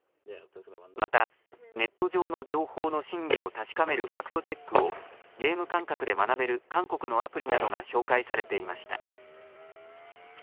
また、ネット上の情報の真偽を確かめるファクトチェックを、ゲーム感覚で学べる韓国のアプリなどが紹介されていました。